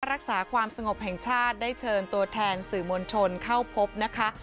รักษาความสงบแห่งชาติได้เชิญตัวแทนสื่อมวลชนเข้าพบนะคะ